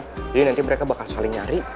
jadi nanti mereka bakal saling nyari